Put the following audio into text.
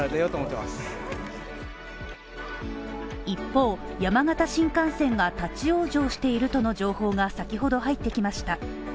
一方、山形新幹線が立ち往生しているとの情報が先ほど入ってきました。